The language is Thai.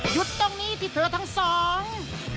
จุดตรงนี้ที่เธอทั้งสอง